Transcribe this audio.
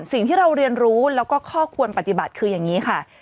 สิ่งที่เราเรียนรู้แล้วก็ข้อควรปฏิบัติคืออย่างนี้ค่ะ